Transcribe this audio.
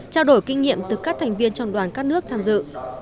trao đổi kinh nghiệm từ các thành viên trong đoàn các nước tham dự